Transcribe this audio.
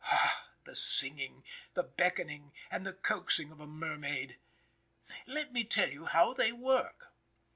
Ah! the singing, the beckoning, and the coaxing of a mermaid! Let me tell you how they work.